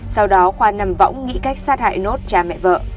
sau đó khoa nằm võng nghĩ cách sát hại nốt cha mẹ vợ